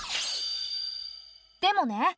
でもね。